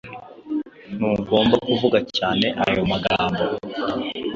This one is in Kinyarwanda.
Ntugomba kuvuga cyane ayomagambo